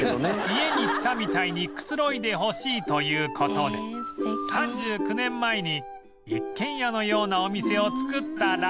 家に来たみたいにくつろいでほしいという事で３９年前に一軒家のようなお店をつくったらしい